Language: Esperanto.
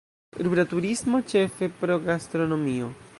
Rura turismo, ĉefe pro gastronomio.